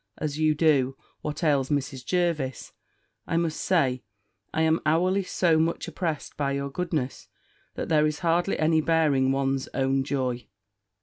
as you do, what ails Mrs. Jervis? I must say, I am hourly so much oppressed by your goodness, that there is hardly any bearing one's own joy."